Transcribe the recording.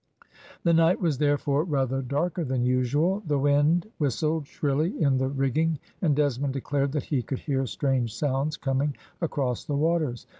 The night was therefore rather darker than usual. The wind whistled shrilly in the rigging, and Desmond declared that he could hear strange sounds coming across the waters.